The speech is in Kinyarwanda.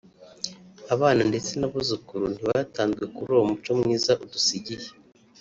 Abana ndetse n’abuzukuru ntibatanzwe kuri uwo muco mwiza udusigiye